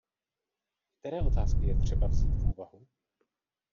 Které otázky je třeba vzít v úvahu?